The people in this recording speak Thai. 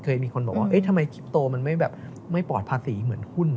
เคยมีคนบอกว่าทำไมคิปโตมันไม่ปลอดภาษีเหมือนหุ้น